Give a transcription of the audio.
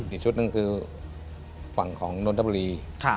อีกชุดหนึ่งคือฝั่งของนนทบุรี